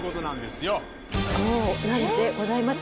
そうなのでございます。